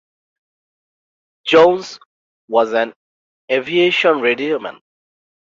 Jones was an Aviation Radioman.